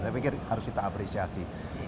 saya pikir harus kita apresiasi